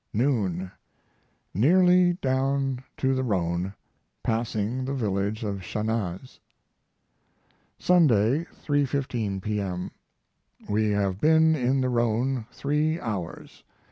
Noon. Nearly down to the Rhone, passing the village of Chanaz. Sunday, 3.15 P.M. We have been in the Rhone three hours.